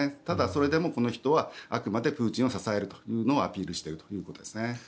ただ、それでもこの人はあくまでプーチンを支えるというのをアピールしているということですね。